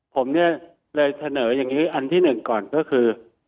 ผมเนี่ยเลยเสนออย่างนี้อันที่หนึ่งก่อนก็คือ